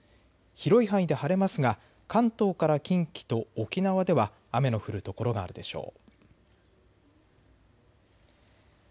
広い範囲で晴れますが関東から近畿と沖縄では雨の降る所があるでしょう。